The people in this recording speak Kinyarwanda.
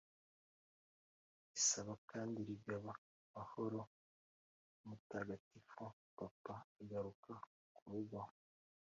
risaba kandi rigaba amahoro mutagatifu papa agaruka ku rugo